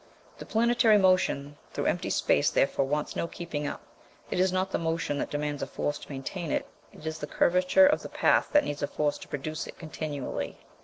The planetary motion through empty space therefore wants no keeping up; it is not the motion that demands a force to maintain it, it is the curvature of the path that needs a force to produce it continually.